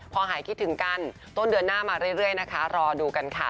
พอหายคิดถึงกันต้นเดือนหน้ามาเรื่อยนะคะรอดูกันค่ะ